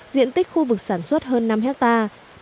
diện tích khu vực sản xuất hơn năm hectare